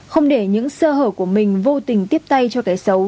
không để những sơ hở của mình vô tình tiếp tay cho cái xấu